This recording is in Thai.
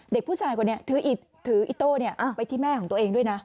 เด่งผู้ชายกว่านี้ถืออิโต้แบบนี้ไปที่แม่ของตัวเองด้วยนะ